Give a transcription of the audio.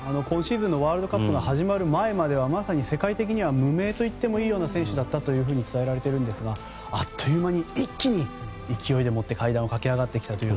今シーズンのワールドカップが始まる前まではまさに世界的には無名といってもいいような選手だったと伝えられているんですがあっという間に一気に勢いでもって階段を駆け上がってきた。